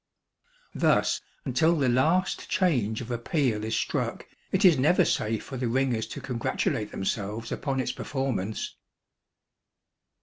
Thus until the last change of a peal is struck, it is never safe for the ringers to congratulate themselves upon its performance.